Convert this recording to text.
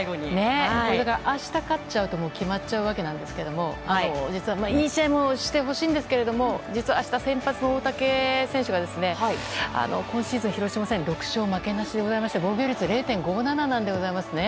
明日勝っちゃうと決まっちゃうわけなんですけどいい試合もしてほしいんですけど実は明日、先発の大竹選手が今シーズン、広島戦６勝負けなしでございまして防御率０．５７でございますね。